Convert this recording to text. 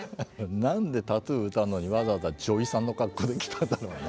なんで「ＴＡＴＴＯＯ」歌うのにわざわざ女医さんの格好で来たんだろうね。